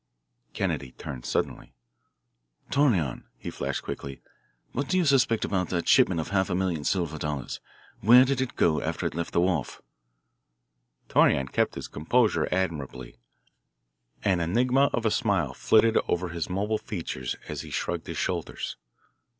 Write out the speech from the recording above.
Kennedy turned suddenly. "Torreon," he flashed quickly, "what do you suspect about that shipment of half a million silver dollars? Where did it go after it left the wharf?" Torreon kept his composure admirably. An enigma of a smile flitted over his mobile features as he shrugged his shoulders.